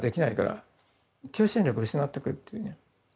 求心力失ってくるっていうね。